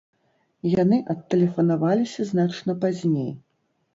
Яны адтэлефанаваліся значна пазней.